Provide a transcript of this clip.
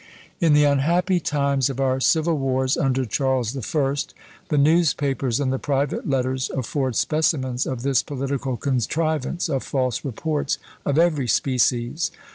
In the unhappy times of our civil wars under Charles the First, the newspapers and the private letters afford specimens of this political contrivance of false reports of every species.